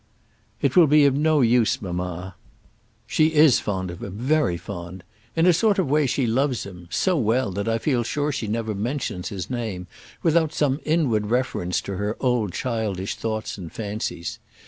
"It will be of no use, mamma. She is fond of him, very fond. In a sort of a way she loves him so well, that I feel sure she never mentions his name without some inward reference to her old childish thoughts and fancies.